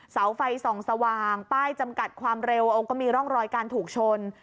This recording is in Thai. เสาไฟส่องสว่างป้ายจำกัดความเร็วองค์ก็มีร่องรอยการถูกชน